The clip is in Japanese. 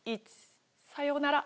さようなら。